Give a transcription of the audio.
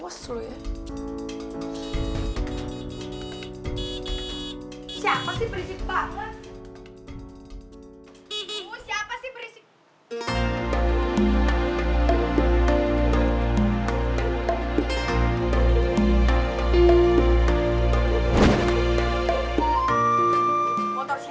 astri gak akan melakukannya lagi